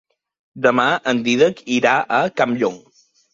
Demà en Dídac irà a Campllong.